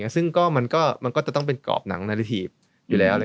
ซึ่งมันก็จะต้องเป็นกรอบหนังนาฬิหีบอยู่แล้ว